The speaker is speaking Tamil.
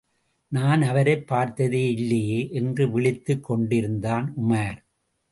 நான் அவரைப் பார்த்ததேயில்லையே! என்று விழித்துக் கொண்டிருந்தான் உமார்.